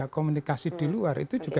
komunikasi di luar itu juga